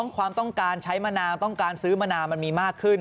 ความต้องการใช้มะนาวต้องการซื้อมะนาวมันมีมากขึ้น